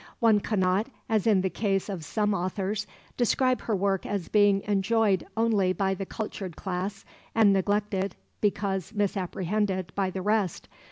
One cannot, as in the case of some authors, describe her work as being enjoyed only by the cultured class, and neglected, because misapprehended, by the rest.